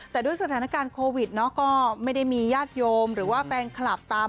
แต่ด้วยสถานการณ์โควิดเนาะก็ไม่ได้มีญาติโยมหรือว่าแฟนคลับตาม